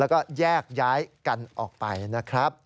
แล้วก็แยกย้ายกันออกไปนะครับ